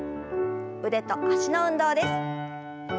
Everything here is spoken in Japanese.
腕と脚の運動です。